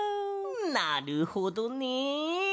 なるほどね。